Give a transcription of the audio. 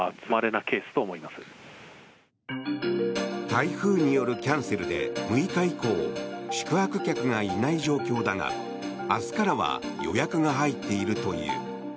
台風によるキャンセルで６日以降宿泊客がいない状況だが明日からは予約が入っているという。